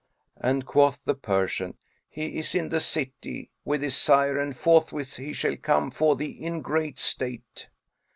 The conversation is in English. and quoth the Persian, "He is in the city, with his sire and forthwith he shall come for thee in great state."